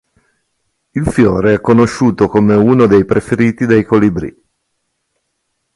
Il fiore è conosciuto come uno dei preferiti dai colibrì.